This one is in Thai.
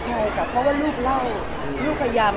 ใช่ค่ะเพราะว่าลูกเล่าลูกพยายาม